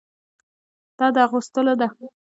دا د اغوستلو ده.